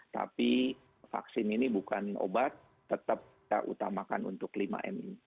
tapi vaksin ini bukan obat tetap kita utamakan untuk lima m ini